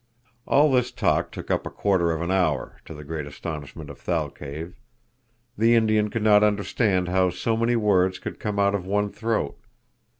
All this talk took up a quarter of an hour, to the great astonishment of Thalcave. The Indian could not understand how so many words could come out of one throat.